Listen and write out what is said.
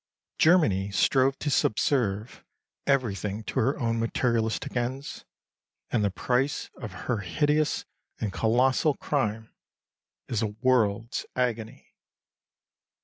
Germany strove to subserve everything to her own materialistic ends, and the price of her hideous and colossal crime is a world's agony.